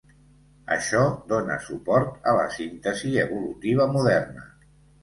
Això dóna suport a la síntesi evolutiva moderna.